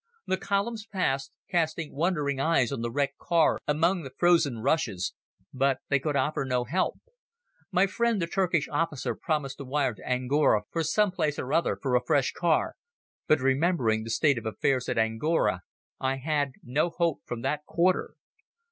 The columns passed, casting wondering eyes on the wrecked car among the frozen rushes, but they could offer no help. My friend the Turkish officer promised to wire to Angora from some place or other for a fresh car, but, remembering the state of affairs at Angora, I had no hope from that quarter.